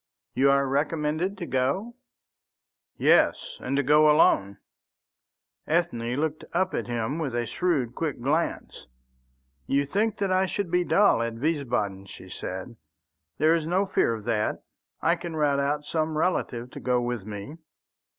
"You are recommended to go?" "Yes, and to go alone." Ethne looked up at him with a shrewd, quick glance. "You think that I should be dull at Wiesbaden," she said. "There is no fear of that. I can rout out some relative to go with me."